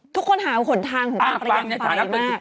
ทุกคนหาผลทางของตังค์ก็ยังไฟมาก